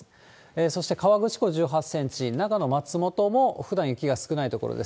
そして、河口湖１８センチ、長野・松本もふだん雪が少ない所です。